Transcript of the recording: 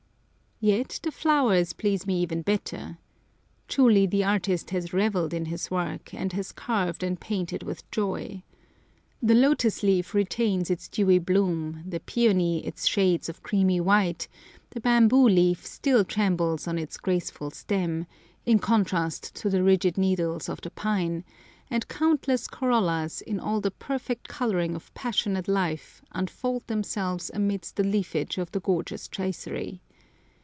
Yet the flowers please me even better. Truly the artist has revelled in his work, and has carved and painted with joy. The lotus leaf retains its dewy bloom, the peony its shades of creamy white, the bamboo leaf still trembles on its graceful stem, in contrast to the rigid needles of the pine, and countless corollas, in all the perfect colouring of passionate life, unfold themselves amidst the leafage of the gorgeous tracery.